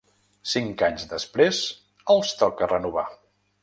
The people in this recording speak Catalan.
Cinc anys després els toca renovar.